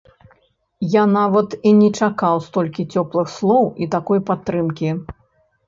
Я нават і не чакаў столькі цёплых слоў і такой падтрымкі.